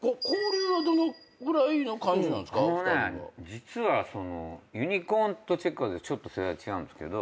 実はユニコーンとチェッカーズはちょっと世代違うんですけど。